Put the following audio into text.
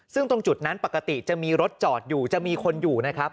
ซึ่งตรงจุดนั้นปกติจะมีรถจอดอยู่จะมีคนอยู่นะครับ